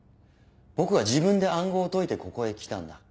僕は自分で暗号を解いてここへ来たんだ。